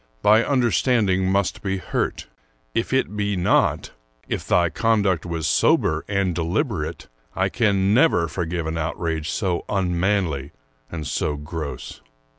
Thy understanding must be hurt. If it be not, — if thy conduct was sober and deliberate, — I can never forgive an outrage so unmanly and so gross.